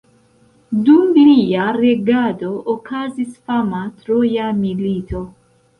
Dum lia regado okazis fama Troja milito.